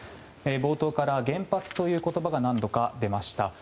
冒頭から原発という言葉が何度か出ました。